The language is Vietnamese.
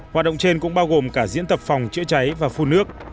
hoạt động trên cũng bao gồm cả diễn tập phòng chữa cháy và phun nước